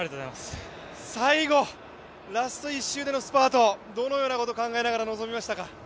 最後、ラスト１周でのスパート、どのようなことを考えながら臨みましたか？